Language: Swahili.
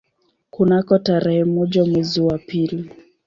Kunako tarehe moja mwezi wa pili